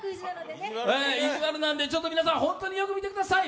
意地悪なんで、皆さん、本当によく見てください